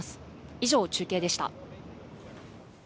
以上、中継でした。